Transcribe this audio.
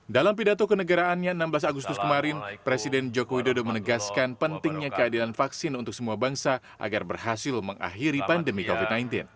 dalam pidato kenegaraannya enam belas agustus kemarin presiden joko widodo menegaskan pentingnya keadilan vaksin untuk semua bangsa agar berhasil mengakhiri pandemi covid sembilan belas